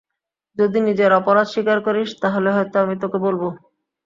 যদি নিজের অপরাধ স্বীকার করিস, তাহলে হয়তো আমি তোকে বলব।